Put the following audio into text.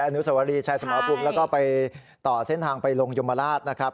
อนุสวรีชายสมภูมิแล้วก็ไปต่อเส้นทางไปลงยมราชนะครับ